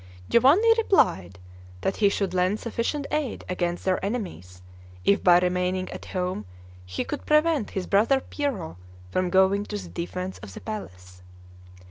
Giovanni replied, that he should lend sufficient aid against their enemies, if by remaining at home he could prevent his brother Piero from going to the defense of the palace.